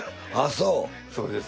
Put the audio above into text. あっそう？